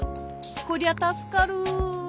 こりゃたすかる。